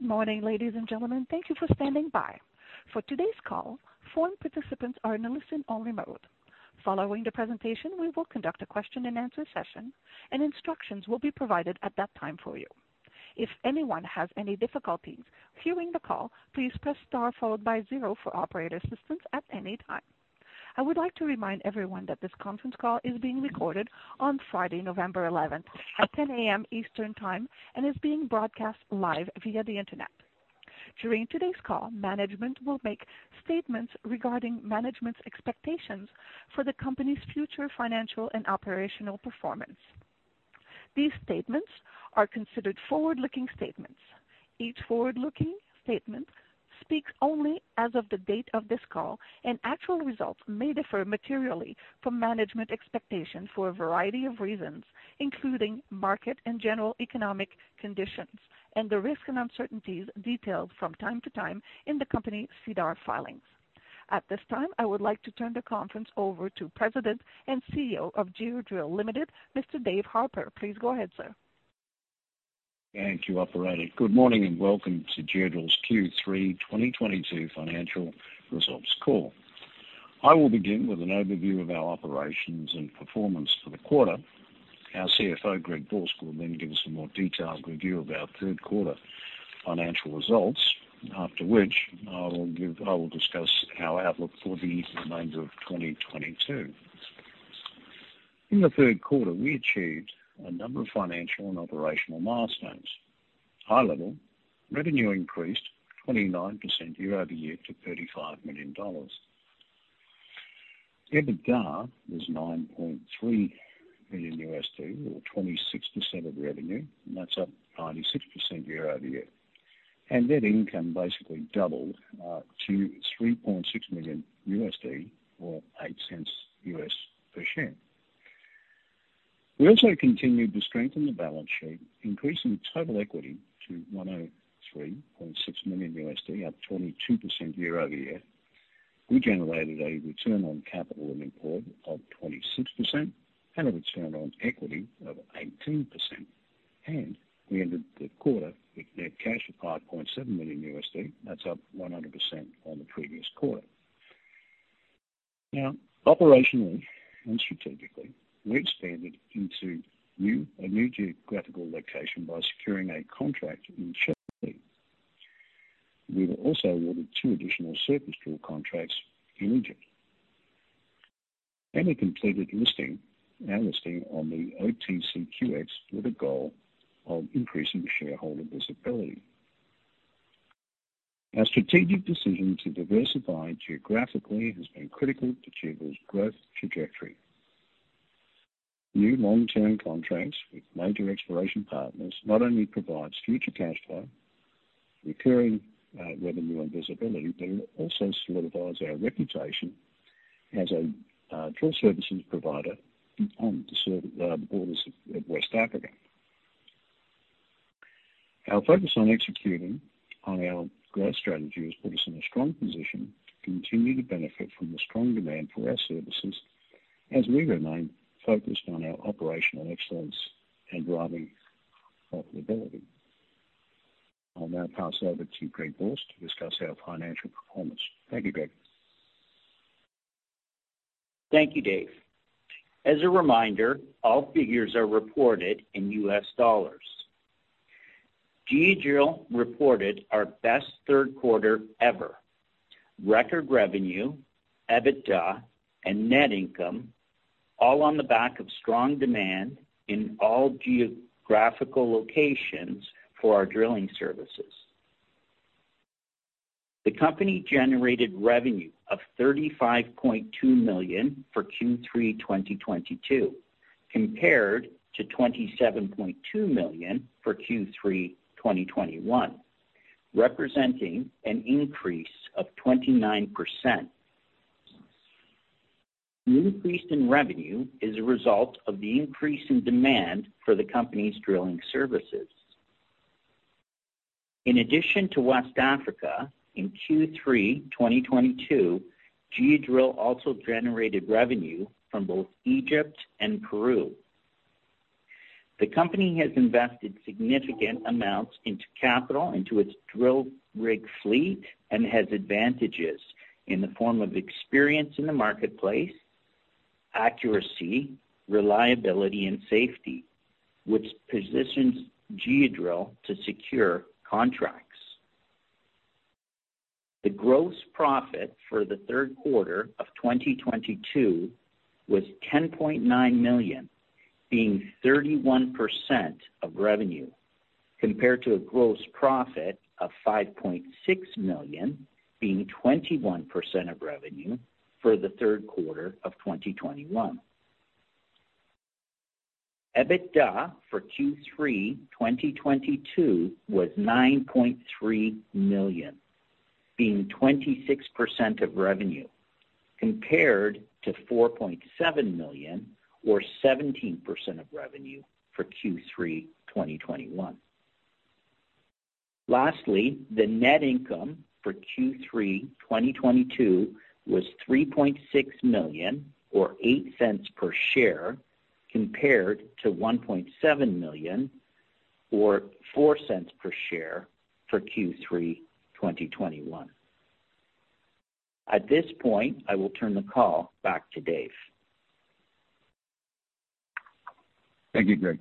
Good morning, ladies and gentlemen. Thank you for standing by. For today's call, foreign participants are in a listen-only mode. Following the presentation, we will conduct a question-and-answer session, and instructions will be provided at that time for you. If anyone has any difficulties hearing the call, please press star followed by zero for operator assistance at any time. I would like to remind everyone that this conference call is being recorded on Friday, November 11 at 10:00 A.M. Eastern Time and is being broadcast live via the Internet. During today's call, management will make statements regarding management's expectations for the company's future financial and operational performance. These statements are considered forward-looking statements. Each forward-looking statement speaks only as of the date of this call, and actual results may differ materially from management expectations for a variety of reasons, including market and general economic conditions and the risks and uncertainties detailed from time to time in the company's SEDAR filings. At this time, I would like to turn the conference over to President and CEO of Geodrill Limited, Mr. Dave Harper. Please go ahead, sir. Thank you, operator. Good morning and welcome to Geodrill's Q3 2022 financial results call. I will begin with an overview of our operations and performance for the quarter. Our CFO, Greg Borsk, will then give us a more detailed review of our third quarter financial results, after which I will discuss our outlook for the remainder of 2022. In the third quarter, we achieved a number of financial and operational milestones. High-level, revenue increased 29% year-over-year to $35 million. EBITDA was $9.3 million, or 26% of revenue, and that's up 96% year-over-year. Net income basically doubled to $3.6 million or $0.08 US per share. We also continued to strengthen the balance sheet, increasing total equity to $103.6 million, up 22% year-over-year. We generated a return on capital employed of 26% and a return on equity of 18%. We ended the quarter with net cash of $5.7 million. That's up 100% on the previous quarter. Now, operationally and strategically, we expanded into a new geographical location by securing a contract in Chile. We were also awarded two additional surface drill contracts in Egypt. We completed our listing on the OTCQX with a goal of increasing shareholder visibility. Our strategic decision to diversify geographically has been critical to achieve this growth trajectory. New long-term contracts with major exploration partners not only provides future cash flow, recurring revenue and visibility, but it also solidifies our reputation as a drill services provider on the borders of West Africa. Our focus on executing on our growth strategy has put us in a strong position to continue to benefit from the strong demand for our services as we remain focused on our operational excellence and driving profitability. I'll now pass over to Greg Borsk to discuss our financial performance. Thank you, Greg. Thank you, Dave. As a reminder, all figures are reported in U.S. dollars. Geodrill reported our best third quarter ever. Record revenue, EBITDA and net income, all on the back of strong demand in all geographical locations for our drilling services. The company generated revenue of $35.2 million for Q3 2022, compared to $27.2 million for Q3 2021, representing an increase of 29%. The increase in revenue is a result of the increase in demand for the company's drilling services. In addition to West Africa, in Q3 2022, Geodrill also generated revenue from both Egypt and Peru. The company has invested significant amounts into capital, into its drill rig fleet and has advantages in the form of experience in the marketplace, accuracy, reliability and safety, which positions Geodrill to secure contracts. The gross profit for the third quarter of 2022 was $10.9 million, being 31% of revenue, compared to a gross profit of $5.6 million, being 21% of revenue for the third quarter of 2021. EBITDA for Q3 2022 was $9.3 million, being 26% of revenue, compared to $4.7 million or 17% of revenue for Q3 2021. Lastly, the net income for Q3 2022 was $3.6 million or $0.08 per share. Compared to $1.7 million or $0.04 per share for Q3 2021. At this point, I will turn the call back to Dave. Thank you, Greg.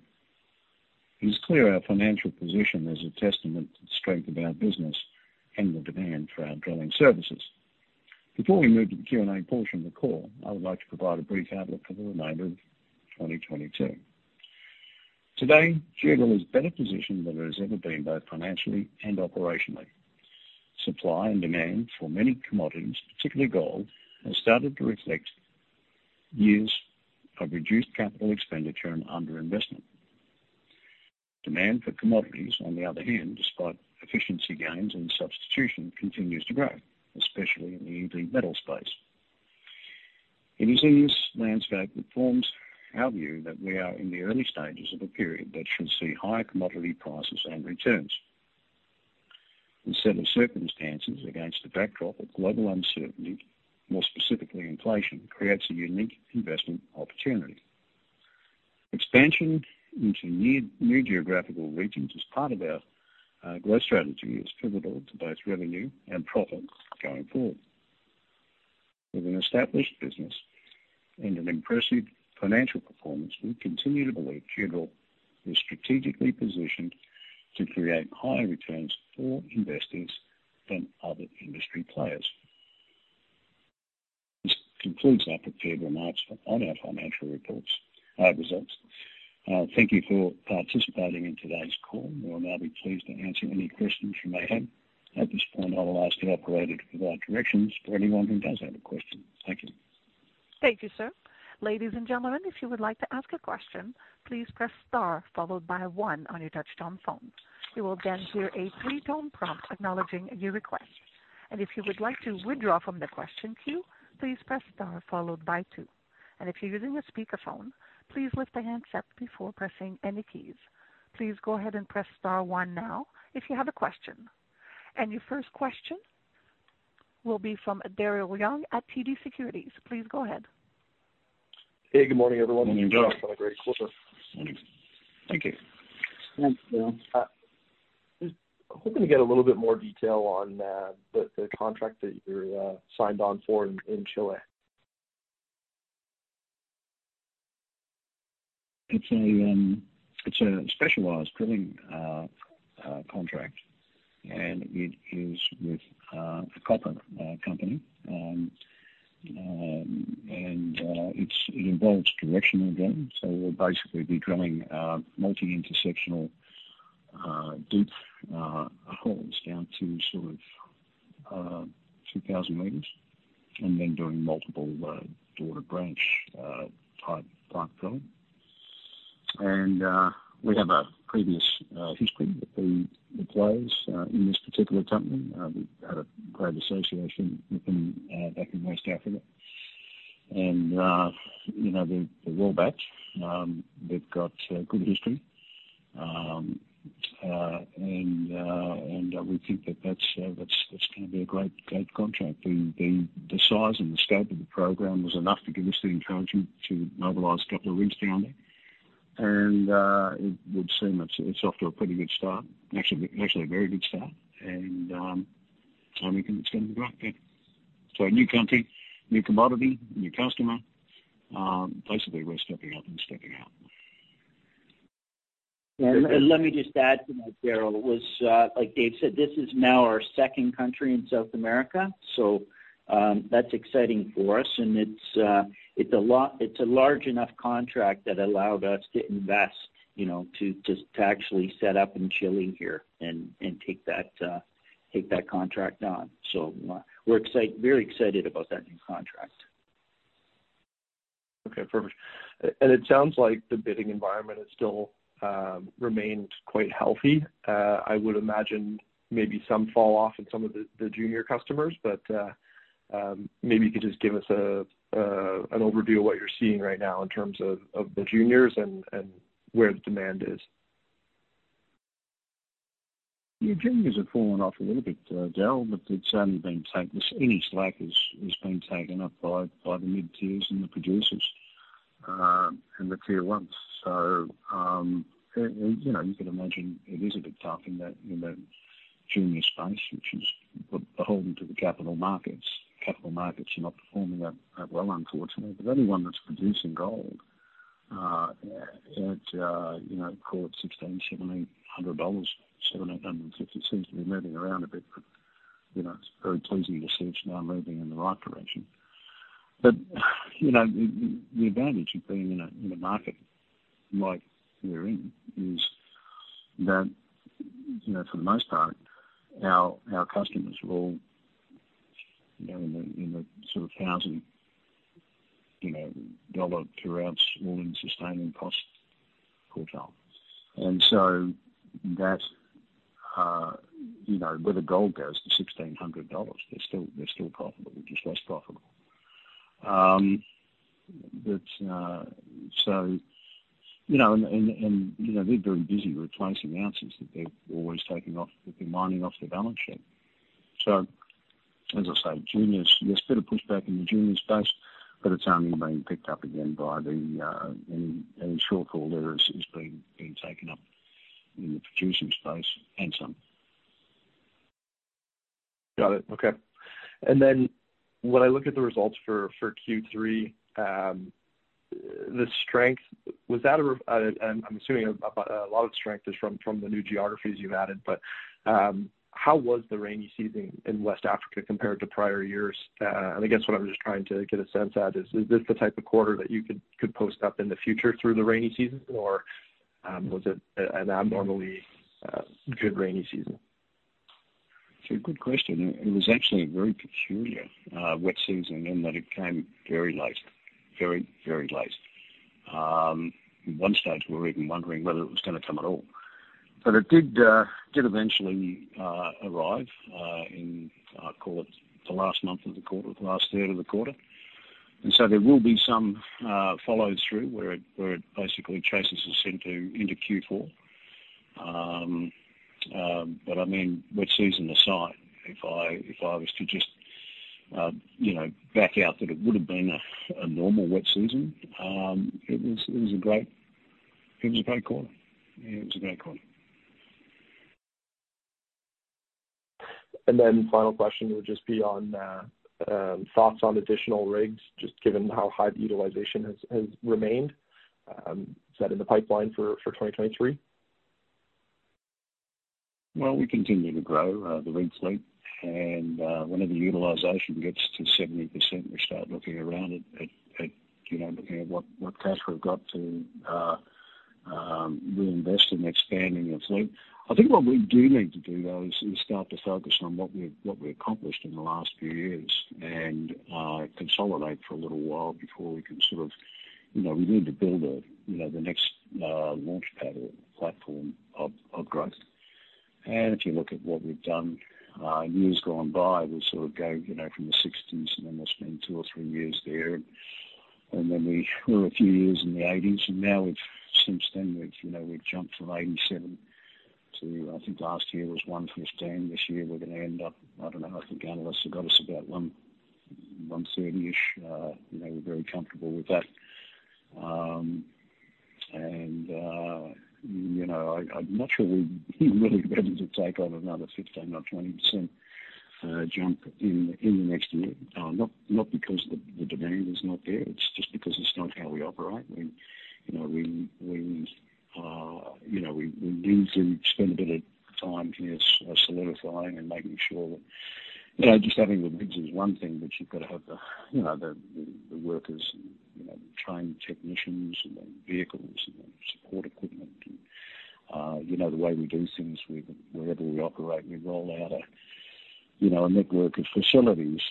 It's clear our financial position is a testament to the strength of our business and the demand for our drilling services. Before we move to the Q&A portion of the call, I would like to provide a brief outlook for the remainder of 2022. Today, Geodrill is better positioned than it has ever been, both financially and operationally. Supply and demand for many commodities, particularly gold, have started to reflect years of reduced capital expenditure and underinvestment. Demand for commodities, on the other hand, despite efficiency gains and substitution, continues to grow, especially in the EV metal space. It is in this landscape that forms our view that we are in the early stages of a period that should see higher commodity prices and returns. The set of circumstances against the backdrop of global uncertainty, more specifically inflation, creates a unique investment opportunity. Expansion into new geographical regions as part of our growth strategy is pivotal to both revenue and profit going forward. With an established business and an impressive financial performance, we continue to believe Geodrill is strategically positioned to create higher returns for investors than other industry players. This concludes our prepared remarks on our financial results. Thank you for participating in today's call. We will now be pleased to answer any questions you may have. At this point, I will ask the operator to provide directions for anyone who does have a question. Thank you. Thank you, sir. Ladies and gentlemen, if you would like to ask a question, please press star followed by one on your touchtone phone. You will then hear a three-tone prompt acknowledging a new request. If you would like to withdraw from the question queue, please press star followed by two. If you're using a speakerphone, please lift the handset before pressing any keys. Please go ahead and press star one now if you have a question. Your first question will be from Daryl Young at TD Securities. Please go ahead. Hey, good morning, everyone. Morning, Daryl. On a great quarter. Thank you. Thanks, Daryl. Just hoping to get a little bit more detail on the contract that you signed on for in Chile. It's a specialized drilling contract, and it is with a copper company. It involves directional drilling. We'll basically be drilling multi-intersectional deep holes down to sort of 2,000 M and then doing multiple daughter holes type drilling. We have a previous history with the players in this particular company. We had a great association with them back in West Africa. You know, they're well backed. They've got good history. We think that that's gonna be a great contract. The size and the scope of the program was enough to give us the encouragement to mobilize a couple of rigs down there. It would seem it's off to a pretty good start. Actually a very good start. I think it's gonna be great, yeah. A new country, new commodity, new customer, basically we're stepping up and stepping out. Let me just add to that, Daryl. As like Dave said, this is now our second country in South America, so that's exciting for us. It's a large enough contract that allowed us to invest, you know, to actually set up in Chile here and take that contract on. We're very excited about that new contract. Okay. Perfect. It sounds like the bidding environment has still remained quite healthy. I would imagine maybe some fall off in some of the junior customers, but maybe you could just give us an overview of what you're seeing right now in terms of the juniors and where the demand is? The juniors have fallen off a little bit, Daryl, but any slack is being taken up by the mid-tiers and the producers, and the Tier ones. You know, you can imagine it is a bit tough in that junior space, which is beholden to the capital markets. Capital markets are not performing that well, unfortunately. Anyone that's producing gold, you know, call it $1,600-$1,700. $1,750 seems to be moving around a bit, but you know, it's very pleasing to see it's now moving in the right direction. You know, the advantage of being in a market like we're in is that, you know, for the most part, our customers are all, you know, in the sort of $1,000 per ounce all-in sustaining cost quartile. Whether gold goes to $1,600, they're still profitable. They're just less profitable. They're very busy replacing ounces that they're always taking off, they're mining off their balance sheet. As I say, juniors, there's a bit of pushback in the junior space, but it's only being picked up again. Any shortfall there is being taken up in the producing space and some. Got it. Okay. When I look at the results for Q3, I'm assuming a lot of strength is from the new geographies you've added. How was the rainy season in West Africa compared to prior years? I guess what I'm just trying to get a sense of is this the type of quarter that you could post up in the future through the rainy season? Was it an abnormally good rainy season? It's a good question. It was actually a very peculiar wet season in that it came very late. Very late. At one stage, we were even wondering whether it was gonna come at all. It did eventually arrive in. I'd call it the last month of the quarter, TI the last third of the quarter. There will be some follow-through where it basically chases us into Q4. I mean, wet season aside, if I was to just you know back out that it would have been a normal wet season, it was a great quarter. Yeah, it was a great quarter. Final question would just be on thoughts on additional rigs, just given how high the utilization has remained. Is that in the pipeline for 2023? Well, we continue to grow the rig fleet. Whenever the utilization gets to 70%, we start looking around at you know what cash we've got to reinvest in expanding the fleet. I think what we do need to do, though, is start to focus on what we accomplished in the last few years and consolidate for a little while before we can sort of you know we need to build you know the next launchpad or platform of growth. If you look at what we've done in years gone by, we sort of go you know from the 60s, and then we'll spend two or three years there. Then we were a few years in the 80s, and now we've. Since then we've you know jumped from $87 to I think last year was $115. This year we're gonna end up I don't know I think analyst have got us about $130-ish. You know we're very comfortable with that. You know I'm not sure we're really ready to take on another 15% or 20% jump in the next year. Not because the demand is not there. It's just because it's not how we operate. We you know need to spend a bit of time here solidifying and making sure that you know just having the rigs is one thing but you've got to have the you know the workers and you know trained technicians and the vehicles and the support equipment. You know, the way we do things with wherever we operate, we roll out a you know, a network of facilities.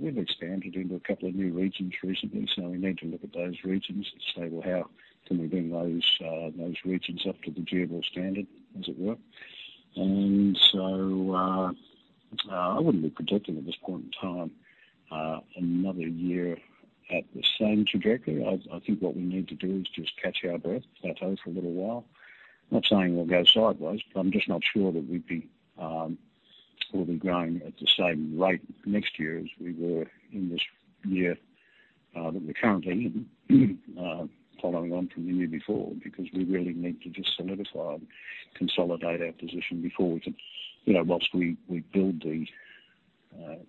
We've expanded into a couple of new regions recently. We need to look at those regions and say, "Well, how can we bring those regions up to the Geodrill standard," as it were. I wouldn't be predicting at this point in time another year at the same trajectory. I think what we need to do is just catch our breath, plateau for a little while. Not saying we'll go sideways, but I'm just not sure that we'll be growing at the same rate next year as we were in this year that we're currently in, following on from the year before, because we really need to just solidify and consolidate our position before we can, you know, whilst we build,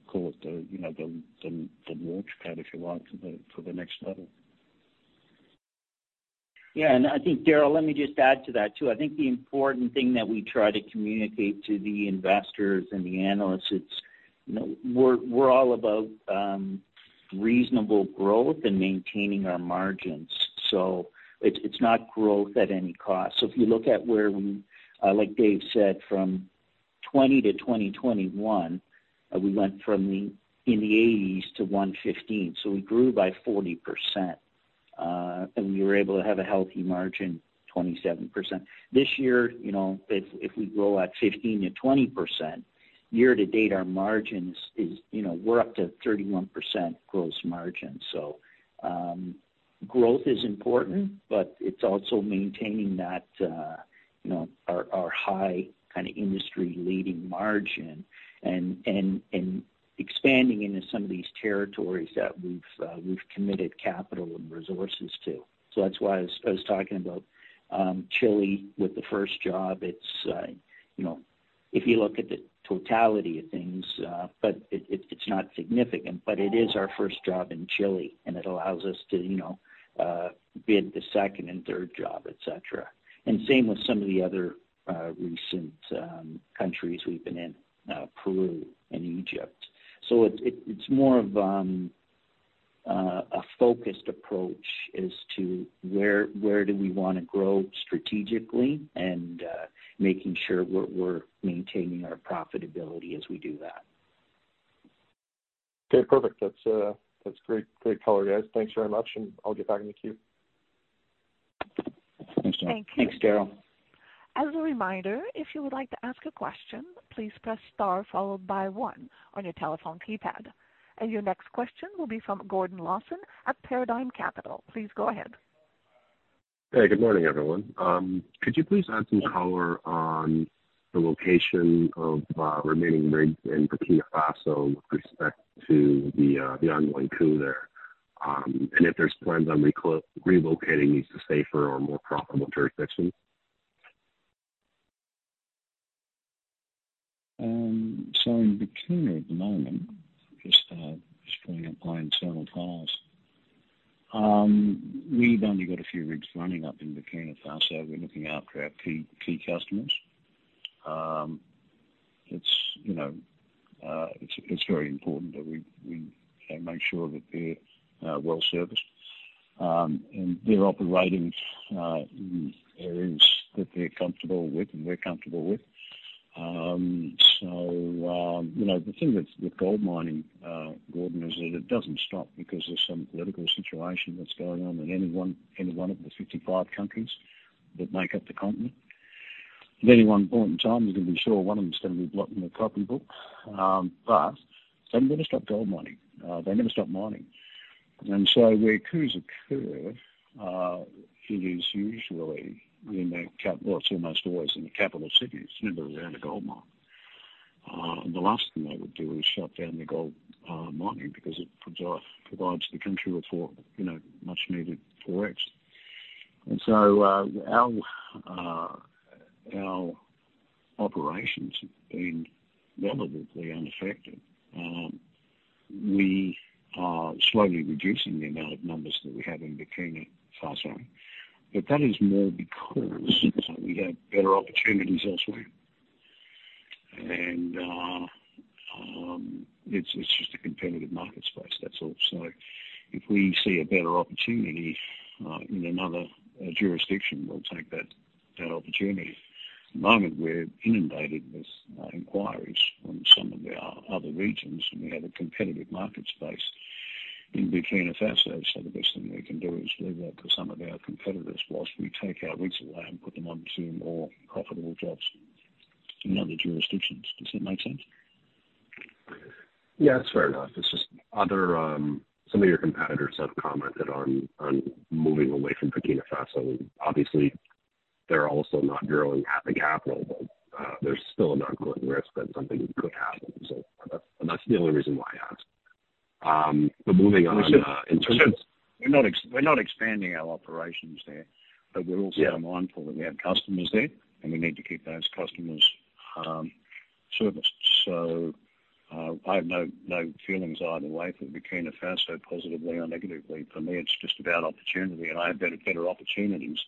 call it the launchpad, you know, if you like, for the next level. Yeah. I think, Darryl, let me just add to that, too. I think the important thing that we try to communicate to the investors and the analysts, it's, you know, we're all about reasonable growth and maintaining our margins. It's not growth at any cost. If you look at where we, like Dave said, from 2020-2021, we went from 80-115. We grew by 40%, and we were able to have a healthy margin, 27%. This year, you know, if we grow at 15%-20%, year to date, our margins is, you know, we're up to 31% gross margin. Growth is important, but it's also maintaining that, you know, our high kind of industry-leading margin and expanding into some of these territories that we've committed capital and resources to. That's why I was talking about Chile with the first job. It's, you know, if you look at the totality of things, but it's not significant, but it is our first job in Chile, and it allows us to, you know, bid the second and third job, et cetera. Same with some of the other recent countries we've been in, Peru and Egypt. It's more of a focused approach as to where do we wanna grow strategically and making sure we're maintaining our profitability as we do that. Okay, perfect. That's great. Great color, guys. Thanks very much, and I'll get back in the queue. Thanks, Daryl. Thank you. Thanks, Daryl. As a reminder, if you would like to ask a question, please press star followed by one on your telephone keypad. Your next question will be from Gordon Lawson at Paradigm Capital. Please go ahead. Hey, good morning, everyone. Could you please add some color on the location of remaining rigs in Burkina Faso with respect to the ongoing coup there? If there's plans on relocating these to safer or more profitable jurisdictions. In Burkina at the moment, just pulling up my internal files. We've only got a few rigs running up in Burkina Faso. We're looking after our key customers. It's, you know, very important that we make sure that they're well-serviced. They're operating in areas that they're comfortable with and we're comfortable with. You know, the thing with gold mining, Gordon, is that it doesn't stop because there's some political situation that's going on in any one of the 55 countries that make up the continent. At any one point in time, you can be sure one of them is gonna be blocking the property books. It's not gonna stop gold mining. They never stop mining. Where coups occur, it is usually in the capital cities. It's never around a gold mine. The last thing they would do is shut down the gold mining because it provides the country with, you know, much needed forex. Our operations have been relatively unaffected. We are slowly reducing the amount of numbers that we have in Burkina Faso. That is more because we have better opportunities elsewhere. It's just a competitive market space, that's all. If we see a better opportunity in another jurisdiction, we'll take that opportunity. At the moment we're inundated with inquiries from some of our other regions, and we have a competitive market space in Burkina Faso. The best thing we can do is leave that to some of our competitors while we take our rigs away and put them onto more profitable jobs in other jurisdictions. Does that make sense? Yeah, it's fair enough. It's just other some of your competitors have commented on moving away from Burkina Faso. Obviously, they're also not drilling at the capital, but there's still an ongoing risk that something could happen. That's the only reason why I asked. Moving on, in terms of- We're not expanding our operations there. Yeah. We're also mindful that we have customers there, and we need to keep those customers serviced. I have no feelings either way for Burkina Faso, positively or negatively. For me, it's just about opportunity, and I have better opportunities,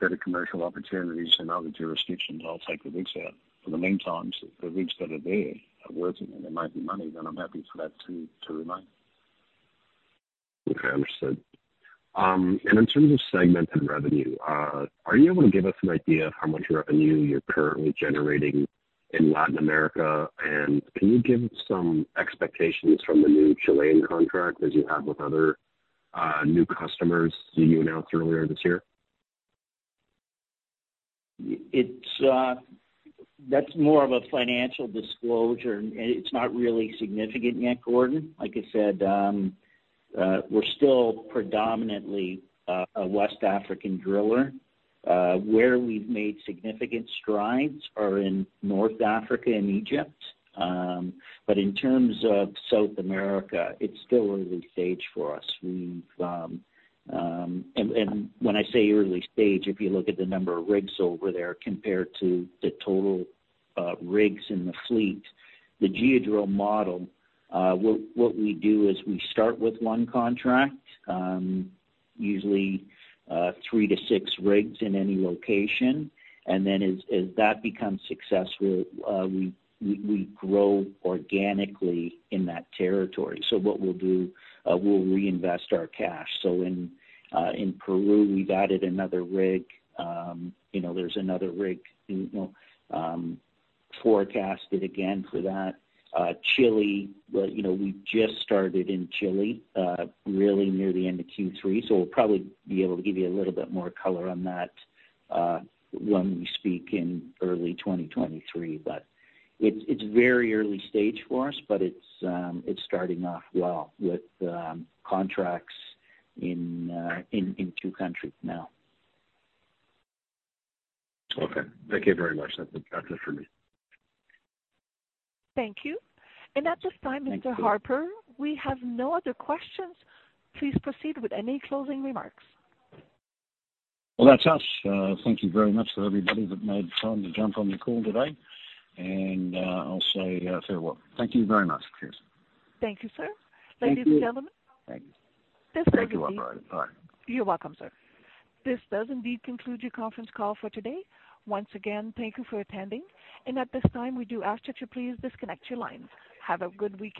better commercial opportunities in other jurisdictions. I'll take the risks out. In the meantime, the risks that are there are working and they're making money, then I'm happy for that to remain. Okay, understood. In terms of segment and revenue, are you able to give us an idea of how much revenue you're currently generating in Latin America? Can you give some expectations from the new Chilean contract as you have with other, new customers who you announced earlier this year? That's more of a financial disclosure, and it's not really significant yet, Gordon. Like I said, we're still predominantly a West African driller. Where we've made significant strides are in North Africa and Egypt. In terms of South America, it's still early stage for us. When I say early stage, if you look at the number of rigs over there compared to the total rigs in the fleet, the Geodrill model, what we do is we start with one contract, usually 3-6 rigs in any location. As that becomes successful, we grow organically in that territory. What we'll do, we'll reinvest our cash. In Peru, we've added another rig. You know, there's another rig, you know, forecasted again for that. Chile, well, you know, we just started in Chile, really near the end of Q3, so we'll probably be able to give you a little bit more color on that, when we speak in early 2023. It's very early stage for us, but it's starting off well with contracts in two countries now. Okay. Thank you very much. That's it. That's it for me. Thank you. At this time, Mr. Harper, we have no other questions. Please proceed with any closing remarks. Well, that's us. Thank you very much for everybody that made time to jump on the call today. I'll say farewell. Thank you very much. Cheers. Thank you, sir. Thank you. Ladies and gentlemen. Thank you. This does indeed. Thank you, operator. Bye. You're welcome, sir. This does indeed conclude your Conference Call for today. Once again, thank you for attending. At this time, we do ask that you please disconnect your lines. Have a good weekend.